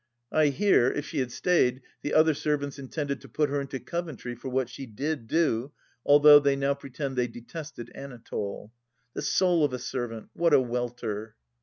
I hear, if she had stayed, the other servants intended to put her into Coventry for what she did do, although they now pre tend they detested Anatole ! The soul of a servant ! What a welter